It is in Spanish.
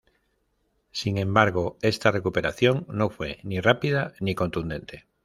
Sin embargo, esta recuperación no fue ni rápida ni contundente.